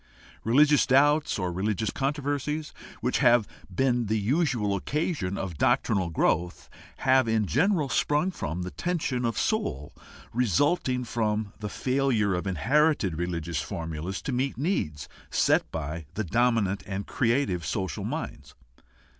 Religious doubts or religious controversies, whixh have been the usual occasion of doctrinal growth, have in general sprung from the tension of soul resulting from the failure of inherited religious formulas to meet needs set by the dominant and creative social minds.